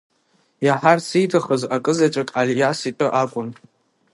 Иаҳарц ииҭахыз акызаҵәык, Алиас итәы акәын.